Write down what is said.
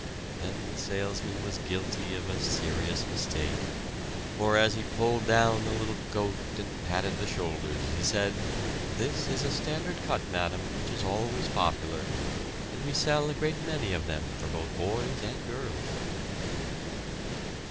Then the salesman was guilty of a serious mistake, for as he pulled down the little coat and patted the shoulders he said: "This is a standard cut, madam, which is always popular, and we sell a great many of them for both boys and girls."